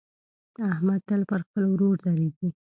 احمد تل پر خپل ورور درېږي.